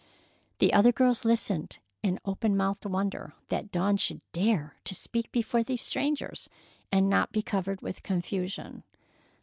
The other girls listened in open mouthed wonder that Dawn should dare to speak before these strangers and not be covered with confusion.